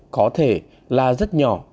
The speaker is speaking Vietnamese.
có thể là rất nhỏ